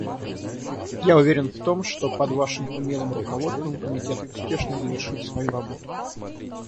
Я уверен в том, что под Вашим умелым руководством Комитет успешно завершит свою работу.